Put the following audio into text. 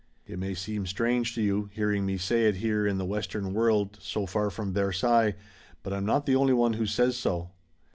It may seem strange to you, hearing me say it here in the Western world, so far from Versailles, but I'm not the only one who says so."